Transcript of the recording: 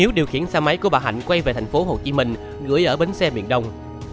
hiếu điều khiển xe máy của bà hạnh quay về thành phố hồ chí minh gửi ở bến xe miền đông